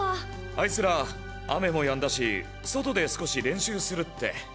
あいつら雨もやんだし外で少し練習するって。